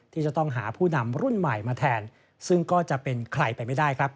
ที่จะต้องหาผู้นำรุ่นใหม่มาแทนซึ่งก็จะเป็นใครไปไม่ได้ครับ